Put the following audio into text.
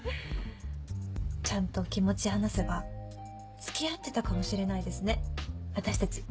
ちゃんと気持ち話せば付き合ってたかもしれないですね私たち。